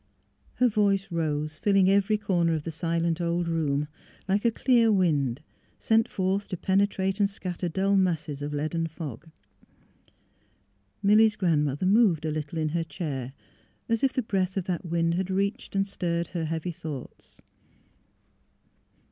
' Her voice rose, filling every corner of the silent old room, like a clear wind, sent forth to pene trate and scatter dull masses of leaden fog. Milly 's grandmother moved a little in her chair, as if the breath of that wind had reached and stirred her heavy thoughts.